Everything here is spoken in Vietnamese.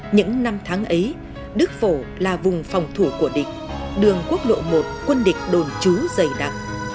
những năm tháng ấy đức phổ là vùng phòng thủ của địch đường quốc lộ một quân địch đồn trú dày đặc